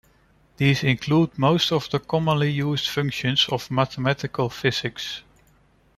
These include most of the commonly used functions of mathematical physics.